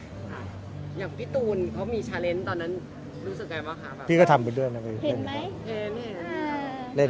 อย่างพี่ตู้นเขามีตอนนั้นรู้สึกไงบ้างครับ